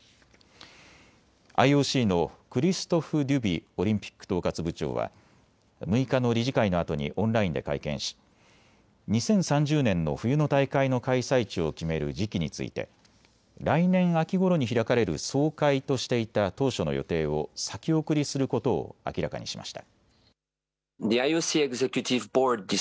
ＩＯＣのクリストフ・デュビオリンピック統括部長は６日の理事会のあとにオンラインで会見し２０３０年の冬の大会の開催地を決める時期について来年秋ごろに開かれる総会としていた当初の予定を先送りすることを明らかにしました。